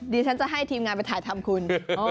ดิฉันจะให้ทีมงานไปถ่ายทำคุณ